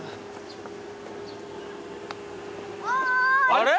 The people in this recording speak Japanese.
あれ？